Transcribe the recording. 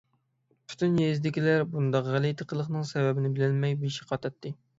پۈتۈن يېزىدىكىلەر بۇنداق غەلىتە قىلىقنىڭ سەۋەبىنى بىلەلمەي بېشى قاتاتتى.